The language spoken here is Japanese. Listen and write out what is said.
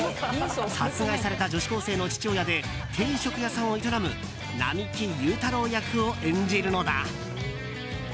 殺害された女子高生の父親で定食屋さんを営む並木祐太郎役を演じるのだ。